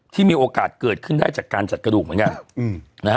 ที่มีโอกาสเกิดขึ้นได้จากการจัดกระดูกเหมือนกัน